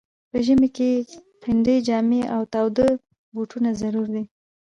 په ژمي کي پنډي جامې او تاوده بوټونه ضرور دي.